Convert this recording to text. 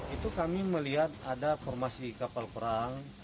itu kami melihat ada formasi kapal perang